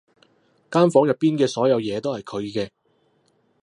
間房入面嘅所有嘢都係佢嘅